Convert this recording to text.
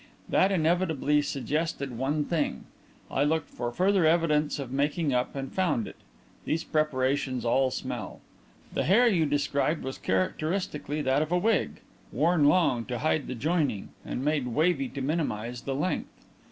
That inevitably suggested one thing. I looked for further evidence of making up and found it these preparations all smell. The hair you described was characteristically that of a wig worn long to hide the joining and made wavy to minimize the length.